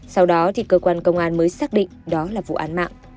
sau đó thì cơ quan công an mới xác định đó là vụ án mạng